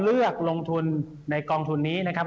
เลือกลงทุนในกองทุนนี้นะครับ